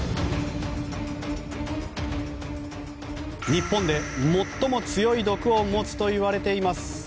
日本で最も強い毒を持つといわれています